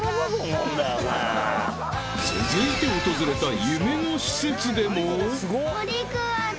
［続いて訪れた夢の施設でも］